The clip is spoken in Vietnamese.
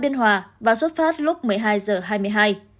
biên hòa và xuất phát lúc một mươi hai h hai mươi hai